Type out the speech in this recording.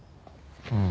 うん。